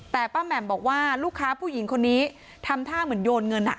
แต่ป้าแหม่มบอกว่าลูกค้าผู้หญิงคนนี้ทำท่าเหมือนโยนเงิน